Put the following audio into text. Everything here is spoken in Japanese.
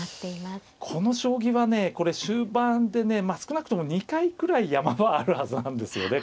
この将棋はねこれ終盤でねまあ少なくとも２回くらい山場あるはずなんですよね